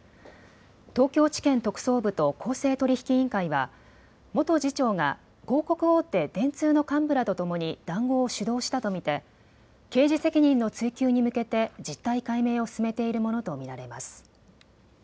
東京地検特捜部と公正取引委員会は元次長が広告大手、電通の幹部らとともに談合を主導したと見て刑事責任の追及に向けて実態解明を進めているものと見られます。